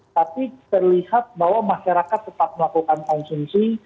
tapi terlihat bahwa masyarakat tetap melakukan konsumsi